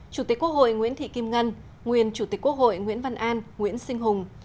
chủ tịch quốc hội nguyễn thị kim ngân nguyên chủ tịch quốc hội nguyễn văn an nguyễn sinh hùng